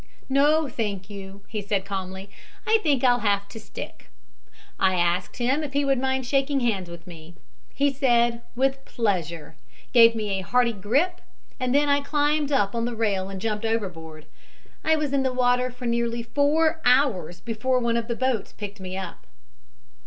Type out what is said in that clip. "'No, thank you,' he said, calmly, 'I think I'll have to stick.' "I asked him if he would mind shaking hands with me. He said, 'With pleasure,' gave me a hearty grip, and then I climbed up on the rail and jumped overboard. I was in the water nearly four hours before one of the boats picked me up."